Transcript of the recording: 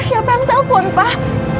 siapa yang telepon pak